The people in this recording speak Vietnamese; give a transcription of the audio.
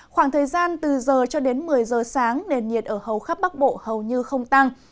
khoảng thời gian từ giờ cho đến một mươi giờ sáng nền nhiệt ở hầu khắp bắc bộ hầu như không tăng